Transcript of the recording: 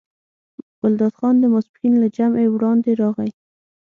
ګلداد خان د ماسپښین له جمعې وړاندې راغی.